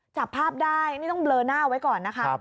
จับภาพได้นี่ต้องเบลอหน้าไว้ก่อนนะคะ